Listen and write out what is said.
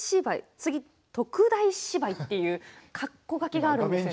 次「特大芝居」っていうかっこ書きがあるんですよ。